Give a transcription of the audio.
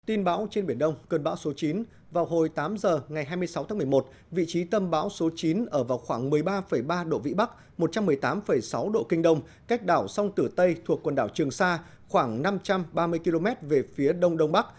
tin bão trên biển đông cơn bão số chín vào hồi tám giờ ngày hai mươi sáu tháng một mươi một vị trí tâm bão số chín ở vào khoảng một mươi ba ba độ vĩ bắc một trăm một mươi tám sáu độ kinh đông cách đảo sông tử tây thuộc quần đảo trường sa khoảng năm trăm ba mươi km về phía đông đông bắc